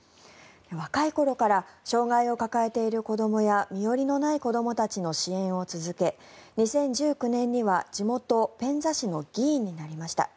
若い頃から障害を抱えている子どもや身寄りのない子どもたちの支援を続け、２０１９年には地元ペンザ市の議員になりました。